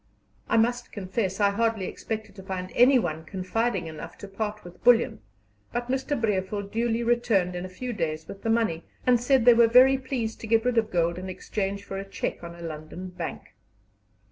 I must confess I hardly expected to find anyone confiding enough to part with bullion, but Mr. Brevel duly returned in a few days with the money, and said they were very pleased to get rid of gold in exchange for a cheque on a London bank.